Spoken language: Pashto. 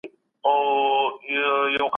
کتاب د ځوانانو غوره ملګری دی.